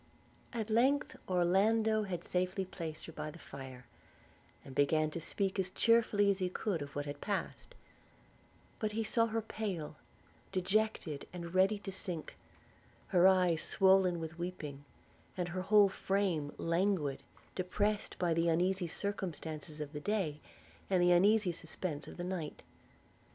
At length Orlando had safely placed her by the fire, and began to speak as cheerfully as he could of what had passed; but he saw her pale, dejected, and ready to sink – her eyes swollen with weeping – and her whole frame languid, depressed by the uneasy circumstances of the day, and the uneasy suspense of the night.